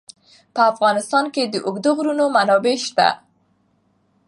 په افغانستان کې د اوږده غرونه منابع شته.